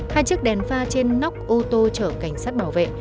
hai chiếc đèn pha trên nóc ô tô chở cảnh sát bảo vệ